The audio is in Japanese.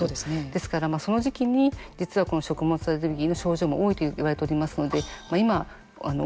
ですから、その時期に実はこの食物アレルギーの症状も多いといわれておりますので今、多いかもしれませんね。